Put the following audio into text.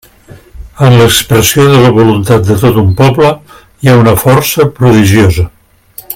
En l'expressió de la voluntat de tot un poble hi ha una força prodigiosa.